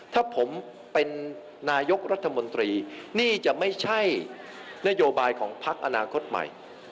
ถ้าผมเป็นนายกรัฐมนตรีนี่จะไม่ใช่นโยบายของพักอนาคตใหม่